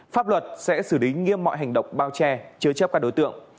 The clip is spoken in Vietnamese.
pháp luật sẽ xử lý nghiêm mọi hành động bao che chứa chấp các đối tượng